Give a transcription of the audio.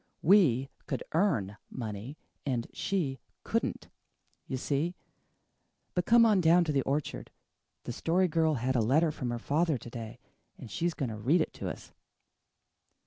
"We COULD earn money and she COULDN'T. You see? But come on down to the orchard. The Story Girl had a letter from her father to day and she's going to read it to us."